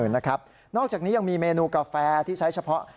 นอกจากนี้ยังมีเมนูกาแฟที่ใช้เฉพาะ